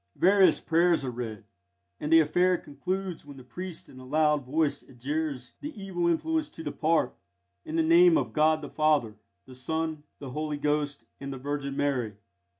Various prayers are read, and the affair concludes when the priest in a loud voice adjures the evil influence to depart, in the name of God the Father, the Son, the Holy Ghost, and the Virgin Mary.